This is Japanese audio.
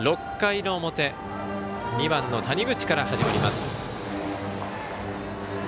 ６回の表２番の谷口から始まります。